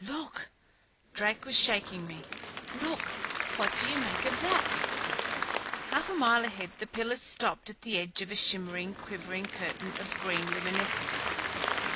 "Look," Drake was shaking me. "Look. What do you make of that?" Half a mile ahead the pillars stopped at the edge of a shimmering, quivering curtain of green luminescence.